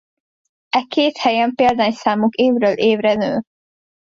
E két helyen példányszámuk évről évre nő.